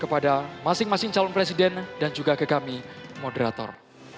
kepada masing masing calon presiden dan juga ke kami moderator